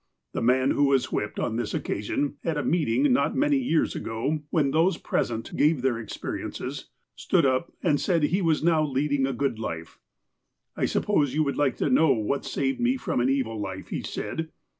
The man who was whipped on this occasion, at a meet ing not many years ago, when those present gave their experiences, stood up and said he was now leading a good life. "I suppose you would like to know what saved me from an evil life," he said.